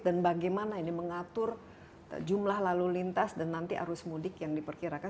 dan bagaimana ini mengatur jumlah lalu lintas dan nanti arus mudik yang diperkirakan